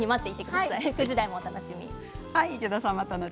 ９時台もお楽しみに。